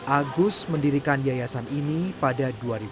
agus mendirikan yayasan ini pada dua ribu lima belas